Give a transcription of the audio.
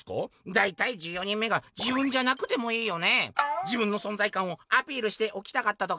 「だいたい１４人目が自分じゃなくてもいいよね。自分の存在感をアピールしておきたかったとか？